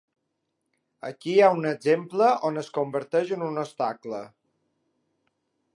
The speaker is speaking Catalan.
Aquí hi ha un exemple on es converteix en un obstacle.